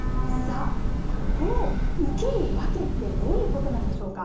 この受ける訳って、どういうことなんでしょうか。